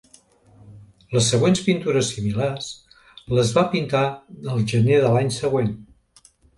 Les següents pintures similars, les va pintar el gener de l'any següent.